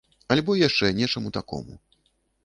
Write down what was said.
Альбо яшчэ нечаму такому.